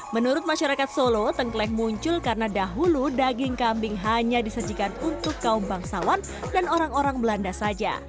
menurut masyarakat solo tengkleng muncul karena dahulu daging kambing hanya disajikan untuk kaum bangsawan dan orang orang belanda saja